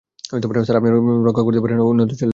Sir, আপনি অপেক্ষা করতে পারেন, নয়তো চলে যেতে পারেন।